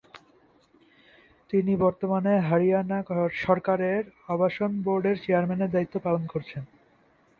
তিনি বর্তমানে হরিয়ানা সরকারের আবাসন বোর্ডের চেয়ারম্যানের দায়িত্ব পালন করছেন।